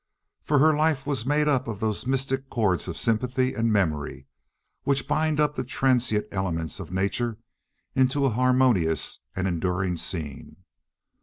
For her life was made up of those mystic chords of sympathy and memory which bind up the transient elements of nature into a harmonious and enduring scene.